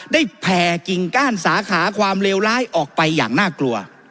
แผ่กิ่งก้านสาขาความเลวร้ายออกไปอย่างน่ากลัว